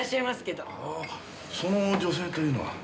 その女性というのは？